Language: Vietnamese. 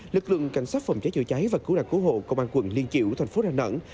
lực lượng cảnh sát phòng cháy chữa cháy và cứu nạn cứu hộ công an quận liên triểu thành phố đà nẵng